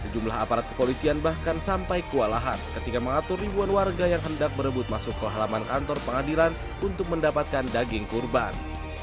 sejumlah aparat kepolisian bahkan sampai kewalahan ketika mengatur ribuan warga yang hendak berebut masuk ke halaman kantor pengadilan untuk mendapatkan daging kurban